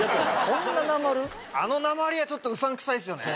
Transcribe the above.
あのなまりはちょっとうさんくさいすよね。